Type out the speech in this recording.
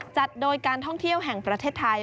จัดโดยการท่องเที่ยวแห่งประเทศไทย